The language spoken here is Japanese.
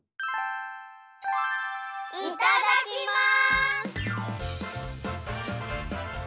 いただきます！